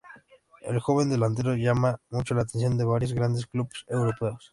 El joven delantero llamaba mucho la atención de varios grandes clubes europeos.